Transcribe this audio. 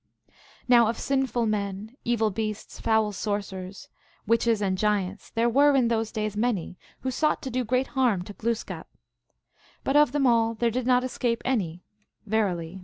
" Now of sinful men, evil beasts, foul sorcerers, witches, and giants, there were in those days many who sought to do great harm to Glooskap ; but of them all there did not escape any ; verily, no, not one.